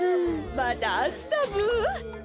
またあしたブ。